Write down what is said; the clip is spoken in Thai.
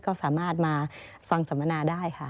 ก็สามารถมาฟังสัมมนาได้ค่ะ